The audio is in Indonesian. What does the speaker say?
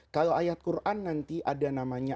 kalau ayat quran nanti ada namanya